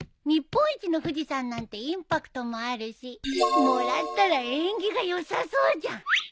日本一の富士山なんてインパクトもあるしもらったら縁起がよさそうじゃん！